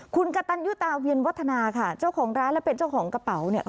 คุณกะตันยุตาเวียนวัฒนาค่ะเจ้าของร้านและเป็นเจ้าของกระเป๋าเนี่ย